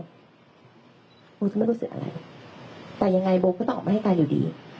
คุณจะไม่รู้สึกอะไรแต่ยังไงโบก็ต้องออกมาให้การอยู่ดี